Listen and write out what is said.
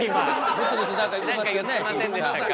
ブツブツ何か言ってましたね。